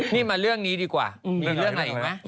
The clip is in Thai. นี่มาเรื่องนี้ดีกว่ามีเรื่องอะไรอีกไหม